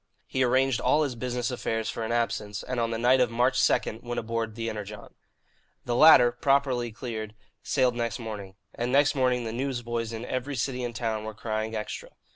He arranged all his business affairs for an absence, and on the night of March 2 went on board the Energon. The latter, properly cleared, sailed next morning. And next morning the newsboys in every city and town were crying "Extra."